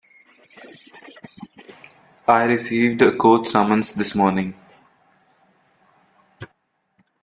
I received a court summons this morning.